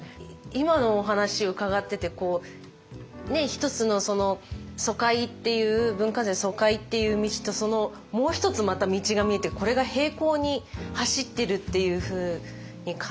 今のお話伺ってて一つの疎開っていう文化財の疎開っていう道ともう一つまた道が見えてこれが並行に走ってるっていうふうに感じて。